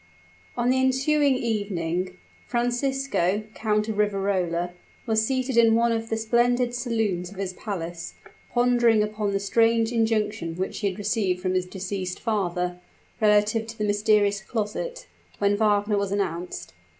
On the ensuing evening, Francisco, Count of Riverola, was seated in one of the splendid saloons of his palace, pondering upon the strange injunction which he had received from his deceased father, relative to the mysterious closet, when Wagner was announced.